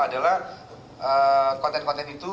adalah konten konten itu